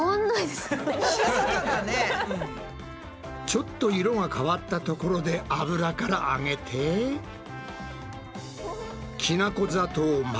ちょっと色が変わったところで油からあげてきな粉砂糖をまぶして。